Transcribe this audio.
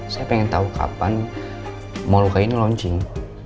saya pengen tahu kapan moluka ini launching